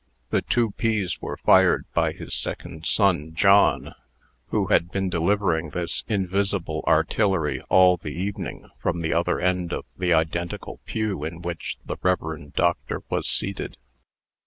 The two peas were fired by his second son John, who had been delivering this invisible artillery all the evening from the other end of the identical pew in which the Rev. Dr. was seated.